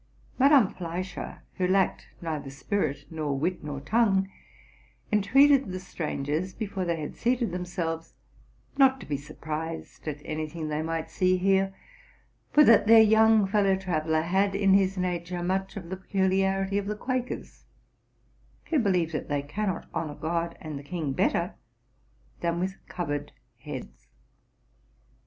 Madame Fleis cher, who lacked neither spirit nor wit nor tongue, entreated the strangers, before they had seated themselves, not to be surprised at any thing they might see here; for that their young fellovwtraveller had in his nature much of the peculiar ity of the Quakers, who believe that they cannot honor God and the king better than with covered heads.